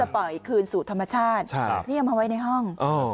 ปล่อยคืนสู่ธรรมชาตินี่เอามาไว้ในห้อง